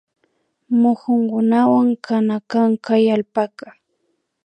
Mukunkunawan kana kan kay allpaka